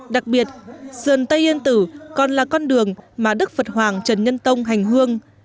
đặc biệt sườn tây yên tử còn là con đường mà đức phật hoàng trần nhân tông hành hương